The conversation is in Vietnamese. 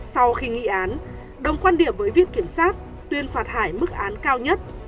sau khi nghị án đồng quan điểm với viện kiểm sát tuyên phạt hải mức án cao nhất